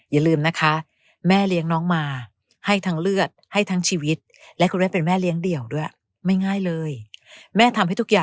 อย่าลืมนะคะแม่เลี้ยงน้องมาให้ทั้งเลือดให้ทั้งชีวิต